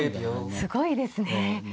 すごいですね。